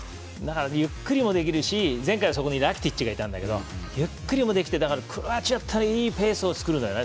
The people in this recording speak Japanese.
ゆっくりもできるし前回はそこにラキティッチがいたんだけどゆっくりもできてクロアチアだったらいいペースを作るよね。